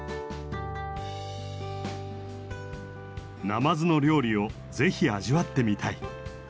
ナマズの料理をぜひ味わってみたい。